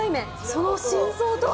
その真相とは？